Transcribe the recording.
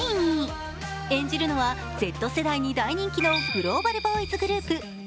演じるのはＺ世代に大人気のグローバルボーイズグループ